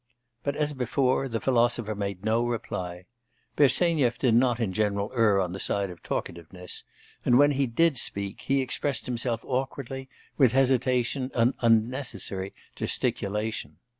But as before, the 'philosopher' made no reply. Bersenyev did not in general err on the side of talkativeness, and when he did speak, he expressed himself awkwardly, with hesitation, and unnecessary gesticulation.